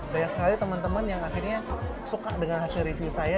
banyak sekali teman teman yang akhirnya suka dengan hasil review saya